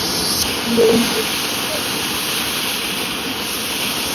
Marina Arena এই রাজ্যের প্রধান ফুটবল স্টেডিয়াম।